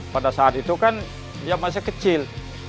pada saat itu kan dia masih kecil